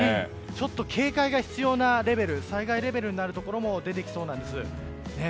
ちょっと警戒が必要なレベル災害レベルになるところも出てきそうなんです。